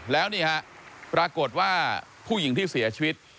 แล้วนี่ฮะปรากฏว่าผู้หญิงที่เสียชีวิต